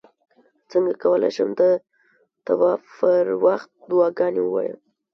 څنګه کولی شم د طواف پر وخت دعاګانې ووایم